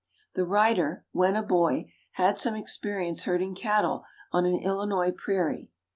The writer, when a boy, had some experience herding cattle on an Illinois prairie.